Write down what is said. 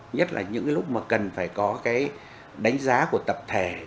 nhất là những cái lúc mà cần phải có cái đánh giá của tập thể